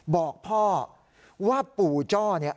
บอกพ่อว่าปู่จ้อเนี่ย